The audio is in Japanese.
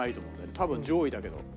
多分上位だけど。